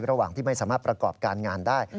ระหว่างที่ไม่สามารถประกอบการงานได้